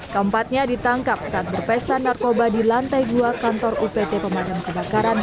keempatnya ditangkap saat berpesta narkoba di lantai dua kantor upt pemadam kebakaran